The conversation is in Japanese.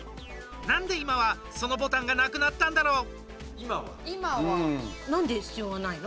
なんで今は、そのボタンがなくなったんだろう？